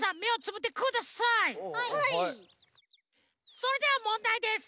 それではもんだいです。